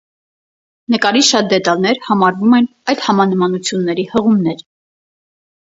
Նկարի շատ դետալներ համարվում են այդ համանմանությունների հղումներ։